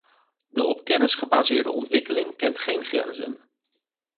De op kennis gebaseerde ontwikkeling kent geen grenzen.